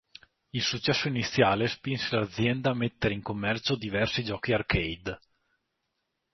Il successo iniziale spinse l'azienda a mettere in commercio diversi giochi arcade.